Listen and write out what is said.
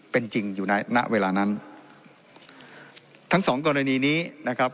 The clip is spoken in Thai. เป็นจริงอยู่ในณเวลานั้นทั้งสองกรณีนี้นะครับ